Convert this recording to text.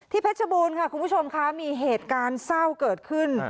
เพชรบูรณ์ค่ะคุณผู้ชมค่ะมีเหตุการณ์เศร้าเกิดขึ้น